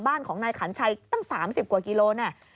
บ้านของนายขันชัยตั้ง๓๐กว่ากิโลเนี่ย